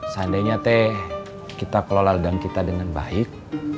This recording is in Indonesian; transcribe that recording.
seandainya teh kita kelola ladang kita dengan baik